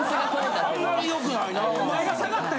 あんまり良くないなぁ。